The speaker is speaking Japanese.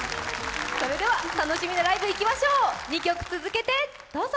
それでは楽しみなライブいきましょう、２曲続けて、どうぞ。